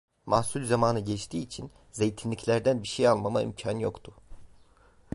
Mahsul zamanı geçtiği için zeytinliklerden bir şey almama imkân yoktu.